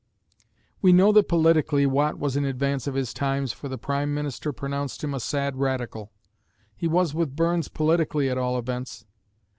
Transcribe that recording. We know that politically Watt was in advance of his times for the prime minister pronounced him "a sad radical." He was with Burns politically at all events.